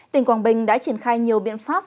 tỉnh quảng bình đã triển khai nhiều biện pháp